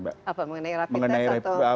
apa mengenai rapid test atau